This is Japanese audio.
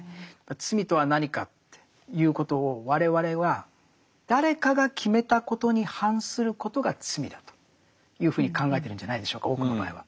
罪とは何かっていうことを我々は誰かが決めたことに反することが罪だというふうに考えてるんじゃないでしょうか多くの場合は。